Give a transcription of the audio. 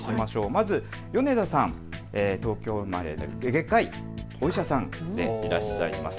まず米田さん、東京生まれで外科医、お医者さんでいらっしゃいます。